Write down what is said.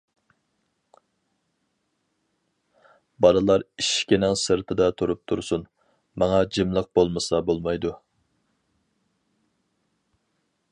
-بالىلار ئىشىكنىڭ سىرتىدا تۇرۇپ تۇرسۇن، ماڭا جىملىق بولمىسا بولمايدۇ.